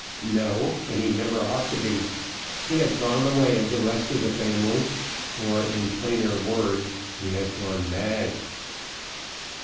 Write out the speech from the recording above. "No, and he never ought to be. He has gone the way of the rest of the family or, in plainer words, he has gone mad."